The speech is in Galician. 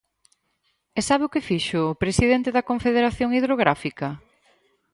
E ¿sabe o que fixo o presidente da Confederación Hidrográfica?